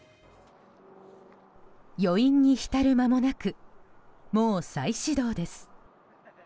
余韻に浸る間もなくもう再始動です。